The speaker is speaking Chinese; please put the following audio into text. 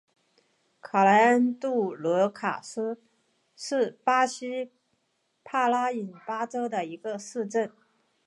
卡图莱杜罗卡是巴西帕拉伊巴州的一个市镇。